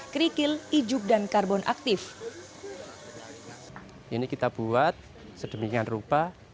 kerikil ijuk dan karbon aktif ini kita buat sedemikian rupa